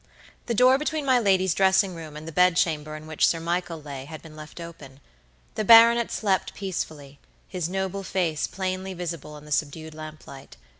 The door between my lady's dressing room and the bed chamber in which Sir Michael lay, had been left open. The baronet slept peacefully, his noble face plainly visible in the subdued lamplight.